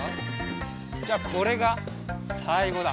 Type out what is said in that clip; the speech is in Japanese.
じゃあこれがさいごだ。